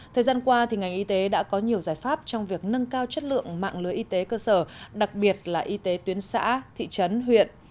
thời gian qua ngành y tế đã có nhiều giải pháp trong việc nâng cao chất lượng mạng lưới y tế cơ sở đặc biệt là y tế tuyến xã thị trấn huyện